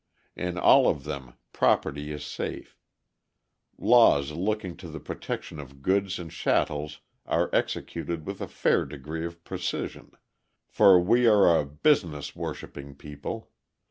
In all of them property is safe; laws looking to the protection of goods and chattels are executed with a fair degree of precision; for we are a business worshipping people.